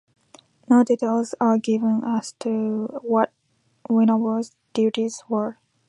No details are given as to what Winrod's duties were.